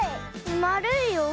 まるいよ。